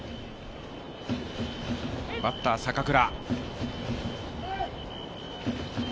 バッター・坂倉。